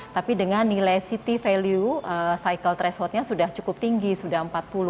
tapi dengan nilai ct value cycle thresholdnya sudah cukup tinggi sudah empat puluh